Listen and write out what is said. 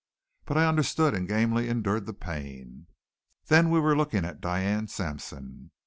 But I understood and gamely endured the pain. Then we were looking at Diane Sampson.